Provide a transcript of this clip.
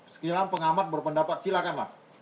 sekiranya pengamat berpendapat silakan